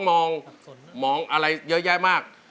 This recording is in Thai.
มองอะไรเยอะแยะมาก